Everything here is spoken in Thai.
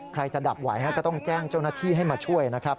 ใครจะดับไหวก็ต้องแจ้งเจ้าหน้าที่ให้มาช่วยนะครับ